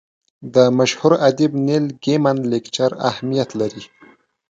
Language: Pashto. د مشهور ادیب نیل ګیمن لیکچر اهمیت لري.